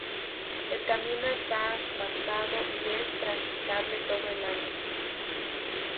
El camino está asfaltado y es transitable todo el año.